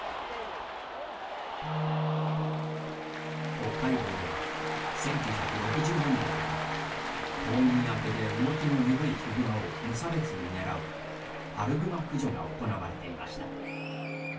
北海道では１９６０年代から冬眠明けで動きの鈍いヒグマを無差別に狙う春グマ駆除が行われていました。